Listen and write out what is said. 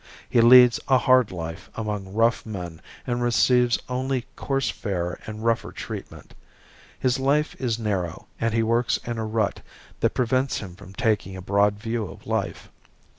He leads a hard life among rough men and receives only coarse fare and rougher treatment. His life is narrow and he works in a rut that prevents him from taking a broad view of life.